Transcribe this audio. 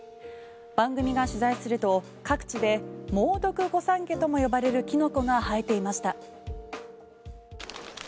番組が取材すると各地で猛毒御三家とも呼ばれるキノコが生えていました。